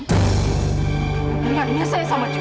hubungannya saya sama juhan